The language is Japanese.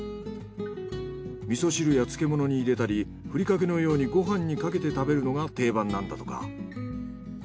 味噌汁や漬物に入れたりふりかけのようにご飯にかけて食べるのが定番なんだとか。